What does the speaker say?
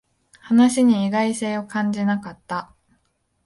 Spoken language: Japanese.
話に意外性を感じなかった